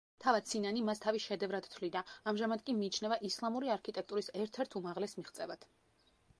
თვად სინანი მას თავის შედევრად თვლიდა, ამჟამად კი მიიჩნევა ისლამური არქიტექტურის ერთ-ერთ უმაღლეს მიღწევად.